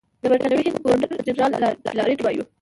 د برټانوي هند ګورنر جنرال لارډ مایو.